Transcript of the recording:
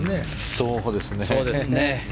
そうですね。